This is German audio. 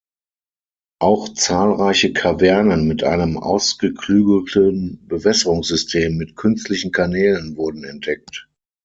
Auch zahlreiche Kavernen mit einem ausgeklügelten Bewässerungssystem mit künstlichen Kanälen wurden entdeckt.